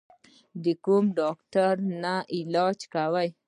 د کوم ډاکټر نه علاج کوې؟